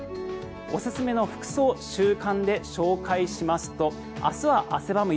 おすすめの服装週間で紹介しますと明日は汗ばむ